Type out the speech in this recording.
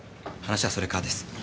話はそれからです。